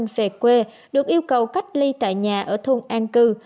về quê được yêu cầu cách ly tại nhà ở thôn an cư